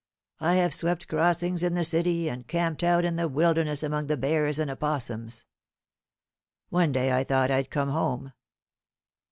I have swept crossings in the city, and camped out in the wilderness among the bears and opossums. One day I thought I'd come home.